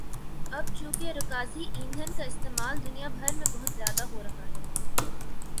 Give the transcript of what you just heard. اب چونکہ رکازی ایندھن کا استعمال دنیا بھر میں بہت زیادہ ہورہا ہے